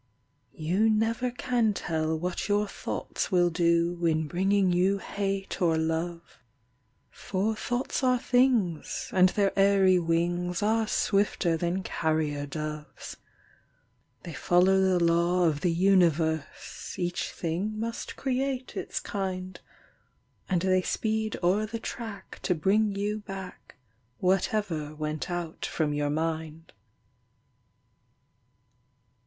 You never can tell what your thoughts will do, In bringing you hate or love; For thoughts are things, and their airy wings Are swifter than carrier doves. They follow the law of the universe— Each thing must create its kind; And they speed o'er the track to bring you back Whatever went out from your mind.